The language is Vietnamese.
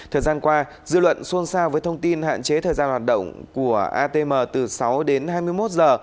thời gian qua dư luận xôn xao với thông tin hạn chế thời gian hoạt động của atm từ sáu đến hai mươi một giờ